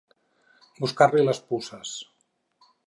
Buscar-li les puces.